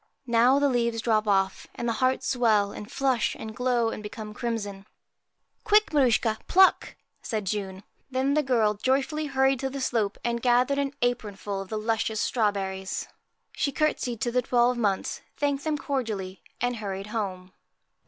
Now the leaves drop off, and the hearts swell, and flush, and glow, and become crimson. ' Quick, Maruschka, pluck !' said June. Then the girl joyfully hurried to the slope, and gathered an apronful of the luscious strawberries. 73 PRETTY She courtesied to the twelve Months, thanked them MAR cordially, and hurried home.